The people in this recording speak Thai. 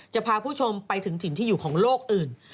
จะพาผู้ชมไปถึงถิ่นที่อยู่ของโลกอื่น